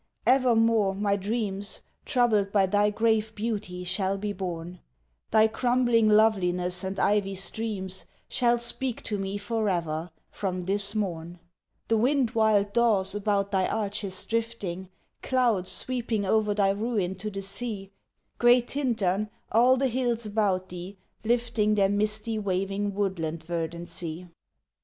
evermore my dreams Troubled by thy grave beauty shall be born; Thy crumbling loveliness and ivy streams Shall speak to me for ever, from this morn; The wind wild daws about thy arches drifting, Clouds sweeping o'er thy ruin to the sea, Gray Tintern, all the hills about thee, lifting Their misty waving woodland verdancy!